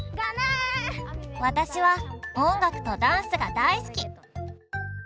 私は音楽とダンスが大好き。